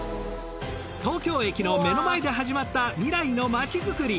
東京駅の目の前で始まった未来の街づくり。